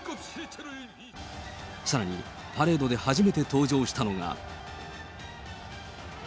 さらにパレードで初めて登場したのが。